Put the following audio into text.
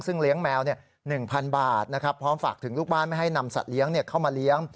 ซึ่งเลี้ยงแมว๑๐๐บาทนะครับพร้อมฝากถึงลูกบ้านไม่ให้นำสัตว์เลี้ยงเข้ามาเลี้ยง